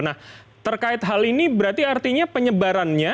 nah terkait hal ini berarti artinya penyebarannya